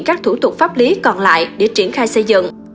các thủ tục pháp lý còn lại để triển khai xây dựng